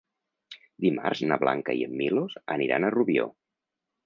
Dimarts na Blanca i en Milos aniran a Rubió.